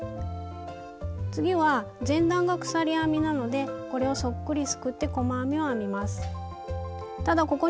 次は前段が鎖編みなのでこれをそっくりすくって細編みを編みます。